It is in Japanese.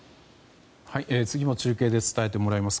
次も中継で伝えてもらいます。